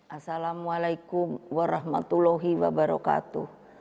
assalamualaikum warahmatullahi wabarakatuh